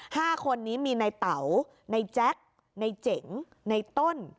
ห้าคนนี้มีนายเต๋านายแจ๊กนายเจ๋งนายต้น